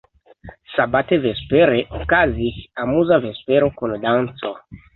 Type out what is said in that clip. Sabate vespere okazis amuza vespero kun danco.